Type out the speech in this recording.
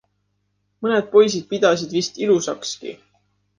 Mõned poisid pidasid vist ilusakski.